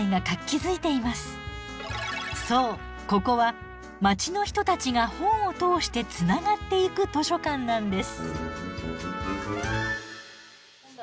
そうここは街の人たちが本を通してつながっていく図書館なんです。